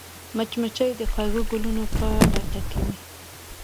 مچمچۍ د خوږو ګلونو په لټه کې وي